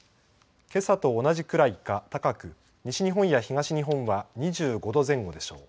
けさと同じくらいか高く西日本や東日本は２５度前後でしょう。